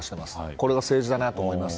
これが政治だなと思います。